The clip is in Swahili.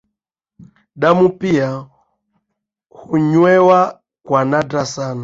Damu pia hunywewa kwa nadra sana